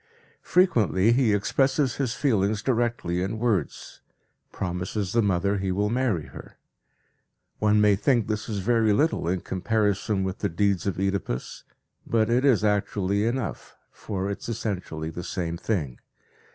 Frequently he expresses his feelings directly in words, promises the mother he will marry her. One may think this is very little in comparison with the deeds of Oedipus, but it is actually enough, for it is essentially the same thing.